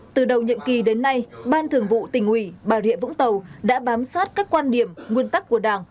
từ đầu nhiệm kỳ đến nay ban thường vụ tỉnh ủy bà rịa vũng tàu đã bám sát các quan điểm nguyên tắc của đảng